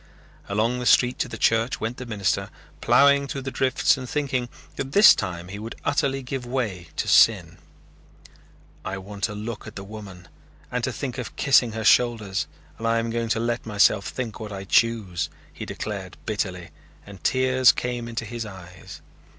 Along the street to the church went the minister, plowing through the drifts and thinking that this time he would utterly give way to sin. "I want to look at the woman and to think of kissing her shoulders and I am going to let myself think what I choose," he declared bitterly and tears came into his eyes.